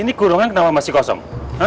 ini kurungan kenapa masih kosong